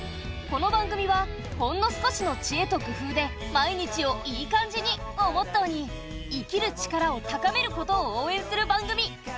この番組はほんの少しの知恵と工夫で毎日を「イーカんじ」に！をモットーに生きる力を高めることを応えんする番組。